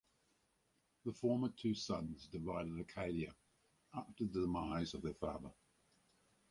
The former two sons divided Arcadia after the demise of their father.